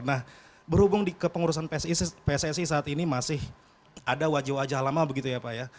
nah berhubung di kepengurusan pssi saat ini masih ada wajah wajah lama begitu ya pak ya